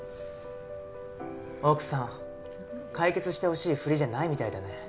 奥さん解決してほしいふりじゃないみたいだね。